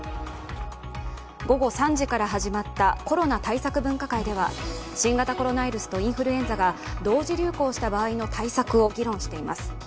午後３時から始まったコロナ対策分科会では新型コロナウイルスとインフルエンザが同時流行した場合の対策を議論しています。